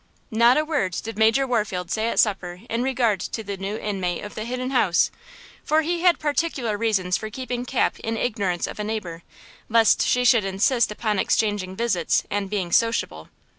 Not a word did Major Warfield say at supper in regard to the new inmate of the Hidden House, for he had particular reasons for keeping Cap in ignorance of a neighbor, lest she should insist upon exchanging visits and being "sociable."